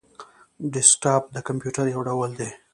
ډیسکټاپ د کمپيوټر یو ډول دی